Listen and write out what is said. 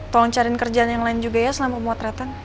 tolong cariin kerjaan yang lain juga ya selama motretan